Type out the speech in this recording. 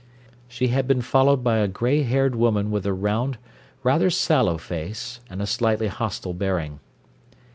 She had been followed by a grey haired woman with a round, rather sallow face and a slightly hostile bearing.